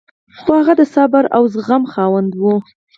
خو هغه د صبر او زغم خاوند و.